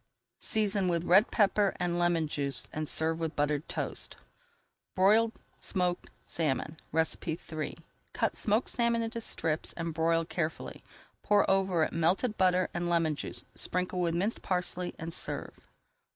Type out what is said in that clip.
Season with red pepper and lemon juice and serve with buttered toast. BROILED SMOKED SALMON III Cut smoked salmon into strips and broil carefully. Pour over it melted butter and lemon juice, sprinkle with minced parsley, and serve.